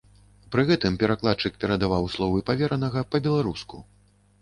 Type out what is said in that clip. Пры гэтым перакладчык перадаваў словы паверанага па-беларуску.